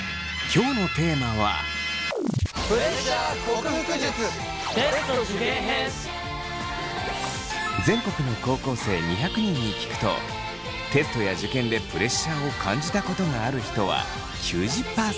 今日のテーマは全国の高校生２００人に聞くとテストや受験でプレッシャーを感じたことがある人は９０％。